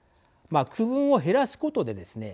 区分を減らすことでですね